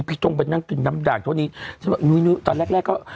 ตรงไปนั่งกินน้ำด่างเท่านี้ฉันบอกนุ้ยตอนแรกแรกก็